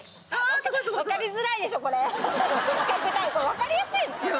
分かりやすいよ。